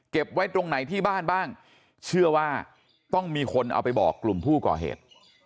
ไว้ตรงไหนที่บ้านบ้างเชื่อว่าต้องมีคนเอาไปบอกกลุ่มผู้ก่อเหตุ